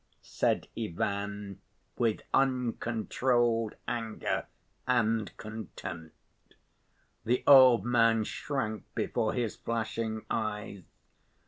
said Ivan, with uncontrolled anger and contempt. The old man shrank before his flashing eyes.